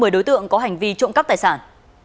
đối tượng có hành vi trộm cắp tài sản